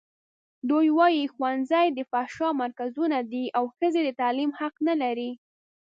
دوی وايي ښوونځي د فحشا مرکزونه دي او ښځې د تعلیم حق نه لري.